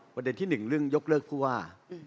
ประเด็นที่๑เรื่องยกเลิกผู้ว่า